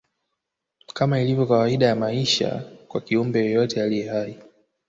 Kama ilivyo kawaida ya maisha kwa kiumbe yeyote aliye hai